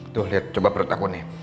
tuh lihat coba perut aku nih